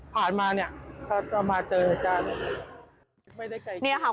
ผ่านมาเค้าก็มาเจอกัน